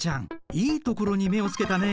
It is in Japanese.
いいところに目をつけたね。